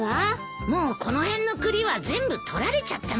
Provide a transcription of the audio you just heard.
もうこの辺の栗は全部取られちゃったみたいだな。